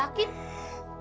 yang dari rumah sakit